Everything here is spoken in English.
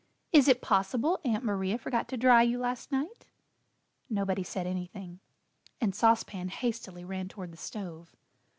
"Is it possible Aunt Maria forgot to dry you last night?" Nobody said anything and Sauce Pan hastily ran toward the stove.